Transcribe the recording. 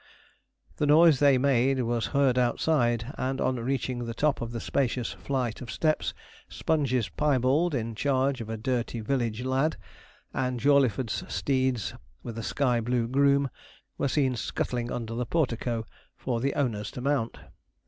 The noise they made was heard outside; and on reaching the top of the spacious flight of steps, Sponge's piebald in charge of a dirty village lad, and Jawleyford's steeds with a sky blue groom, were seen scuttling under the portoco, for the owners to mount.